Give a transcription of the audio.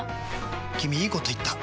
君いいこと言った！